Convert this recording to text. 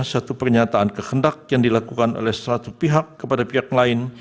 satu pernyataan kehendak yang dilakukan oleh satu pihak kepada pihak lain